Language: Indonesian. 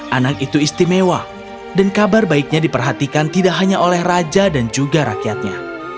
anak itu istimewa dan kabar baiknya diperhatikan tidak hanya oleh raja dan juga rakyatnya